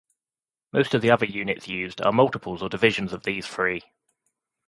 Most of the other units used are multiples or divisions of these three.